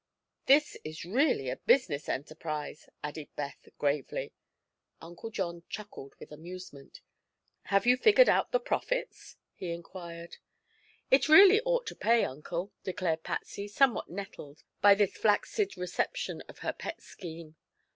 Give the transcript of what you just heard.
"This is really a business enterprise," added Beth gravely. Uncle John chuckled with amusement. "Have you figured out the profits?" he inquired. "It really ought to pay, Uncle," declared Patsy, somewhat nettled by this flaccid reception of her pet scheme.